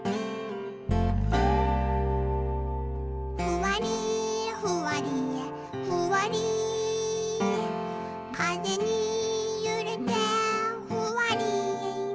「ふわりふわりふわりかぜにゆれてふわり」